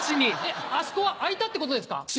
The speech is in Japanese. あそこは空いたってことですか？